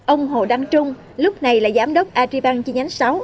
ông hồ đăng trung lúc này là giám đốc ariban chi nhánh sáu